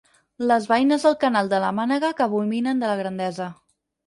Les veïnes del Canal de la Mànega que abominen de la grandesa.